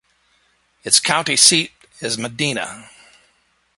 Its county seat is Medina.